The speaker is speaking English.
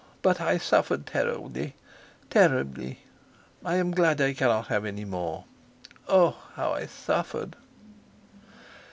But I suffered terribly, terribly. I am glad I cannot have any more. Oh! how I suffered!"